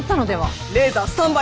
レーザースタンバイ。